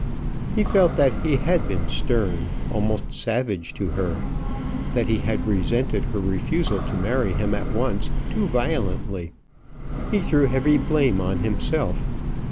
He felt that he had been stern, almost savage to her; that he had resented her refusal to marry him at once too violently: he threw heavy blame on himself.